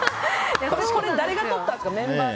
これ、誰が撮ったんですか？